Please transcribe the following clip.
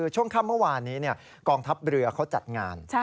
ช่วงค่ำเมื่อวานนี้กองทัพเรือเขาจัดงาน